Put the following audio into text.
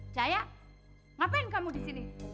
cahaya ngapain kamu disini